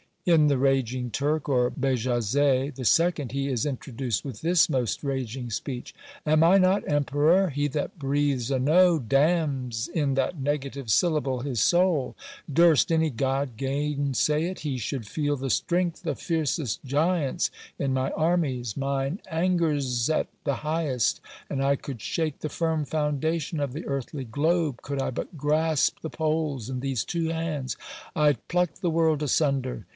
In the Raging Turk, or Bajazet the Second, he is introduced with this most raging speech: Am I not emperor? he that breathes a no Damns in that negative syllable his soul; Durst any god gainsay it, he should feel The strength of fiercest giants in my armies; Mine anger's at the highest, and I could shake The firm foundation of the earthly globe; Could I but grasp the poles in these two hands I'd pluck the world asunder.